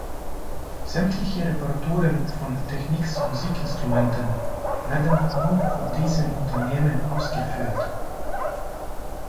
Sämtliche Reparaturen von Technics-Musikinstrumenten werden nun von diesem Unternehmen ausgeführt.